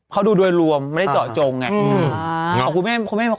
เขาดูโดยรวมไม่ได้เจาะจงไง